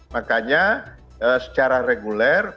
makanya secara reguler